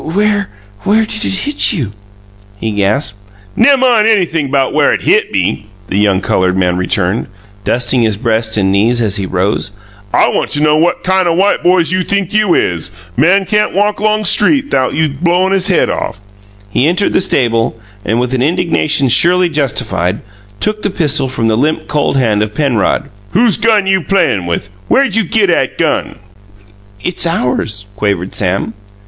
"Where where did it hit you?" he gasped. "Nemmine anything 'bout where it HIT me," the young coloured man returned, dusting his breast and knees as he rose. "I want to know what kine o' white boys you think you is man can't walk 'long street 'thout you blowin' his head off!" He entered the stable and, with an indignation surely justified, took the pistol from the limp, cold hand of Penrod. "Whose gun you playin' with? Where you git 'at gun?" "It's ours," quavered Sam.